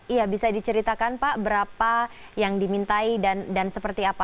iya bisa diceritakan pak berapa yang dimintai dan seperti apa